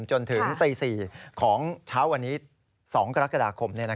จนถึงตี๔ของเช้าวันนี้๒กรกฎาคม